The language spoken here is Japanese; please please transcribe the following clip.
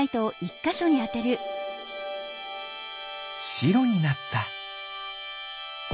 しろになった。